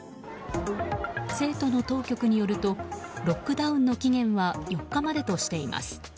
成都の当局によるとロックダウンの期限は４日までとしています。